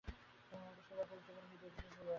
স্বল্পমাত্র সেবা করিতে গেলে হিতে বিপরীত হইয়া উঠিত।